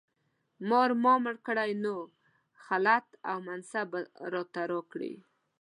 مار ما مړ کړی نو خلعت او منصب به راته راکړي.